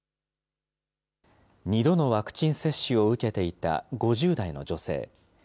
２度のワクチン接種を受けていた５０代の女性。